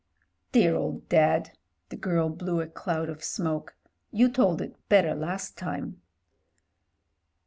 "Dear old Dad !" The girl blew a cloud of smoke. "You told it better last time."